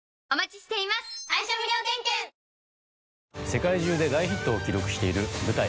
世界中で大ヒットを記録している舞台